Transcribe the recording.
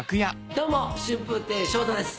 どうも春風亭昇太です。